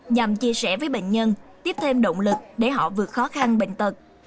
nhằm chia sẻ với bệnh nhân tiếp thêm động lực để họ vượt khó khăn bệnh tật